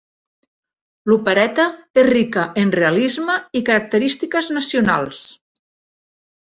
L'opereta és rica en realisme i característiques nacionals.